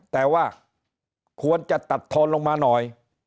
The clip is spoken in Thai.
แต่ว่าควรจะตัดโทนลงมาหน่อย